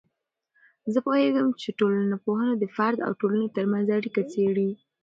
زه پوهیږم چې ټولنپوهنه د فرد او ټولنې ترمنځ اړیکه څیړي.